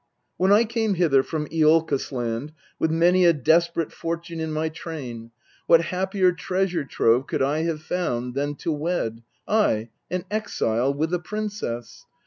When I came hither from lolkos land With many a desperate fortune in my train, What happier treasure trove could I have found Than to wed I, an exile with a princess